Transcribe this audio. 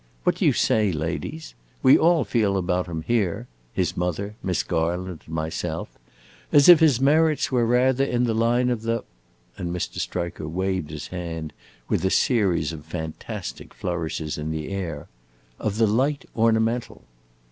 What do you say, ladies? We all feel about him here his mother, Miss Garland, and myself as if his merits were rather in the line of the" and Mr. Striker waved his hand with a series of fantastic flourishes in the air "of the light ornamental!"